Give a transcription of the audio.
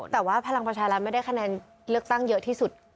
แต่ว่าพลังประชารัฐไม่ได้คะแนนเลือกตั้งเยอะที่สุด